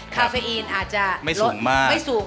คาเฟอินอาจจะไม่สูงมาก